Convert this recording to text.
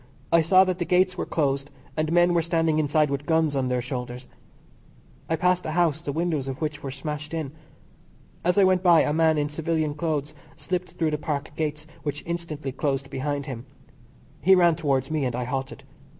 I saw that the Gates were closed and men were standing inside with guns on their shoulders. I passed a house, the windows of which were smashed in. As I went by a man in civilian clothes slipped through the Park gates, which instantly closed behind him. He ran towards me, and I halted.